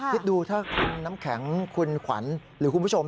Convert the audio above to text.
คิดดูถ้าคุณน้ำแข็งคุณขวัญหรือคุณผู้ชม